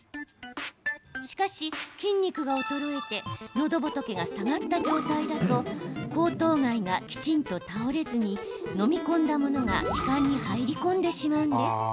しかし、筋肉が衰えてのどぼとけが下がった状態だと喉頭蓋がきちんと倒れずに飲み込んだものが気管に入り込んでしまうんです。